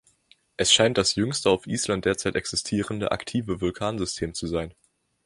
Es scheint das jüngste auf Island derzeit existierende aktive Vulkansystem zu sein.